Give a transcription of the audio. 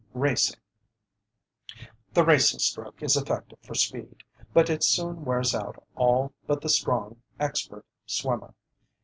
RACING The racing stroke is effective for speed, but it soon wears out all but the strong, expert swimmer.